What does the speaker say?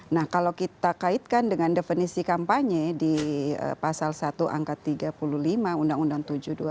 nah kalau kita kaitkan dengan definisi kampanye di pasal satu angka tiga puluh lima undang undang tujuh dua ribu dua puluh